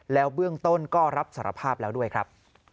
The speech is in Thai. แล้วเบื้องต้นก็รับสารภาพแล้วด้วยครับ